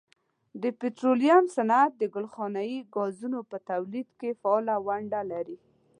د پټرولیم صنعت د ګلخانهیي ګازونو په تولید کې فعاله ونډه لري.